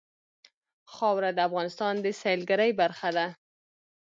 خاوره د افغانستان د سیلګرۍ برخه ده.